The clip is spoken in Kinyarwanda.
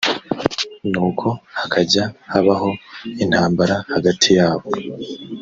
nuko hakajya habaho intambara hagati yabo